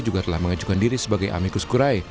juga telah mengajukan diri sebagai amikus kurai